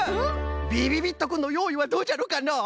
びびびっとくんのよういはどうじゃろかのう？